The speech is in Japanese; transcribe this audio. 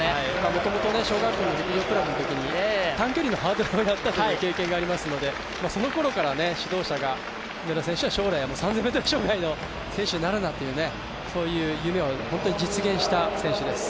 もともと小学校の陸上クラブのときに短距離のハードルをやったという経験がありますのでそのころから指導者が三浦選手は将来３０００ｍ障害の選手になるんだという夢を実現した選手です。